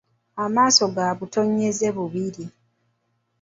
Amaaso ga butonyeze bubiri.